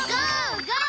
ゴー！